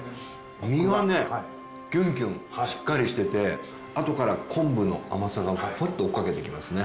身がねギュンギュンしっかりしててあとから昆布の甘さがふわっと追いかけてきますね。